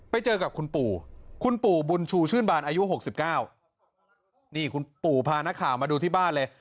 ไปเจอกับคุณปู่คุณปู่บุญชูชื่นบานอายุ๖๙นี่คุณปู่พานักข่าวมาดูที่บ้านเลย